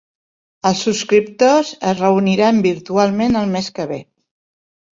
Els subscriptors es reuniran virtualment el mes que ve